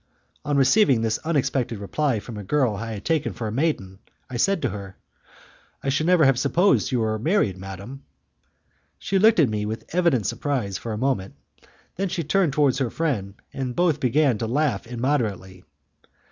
On receiving this unexpected reply from a girl I had taken for a maiden, I said to her, "I should never have supposed that you were married, madam." She looked at me with evident surprise for a moment, then she turned towards her friend, and both began to laugh immoderately.